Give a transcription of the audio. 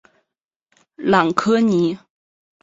朗科尼。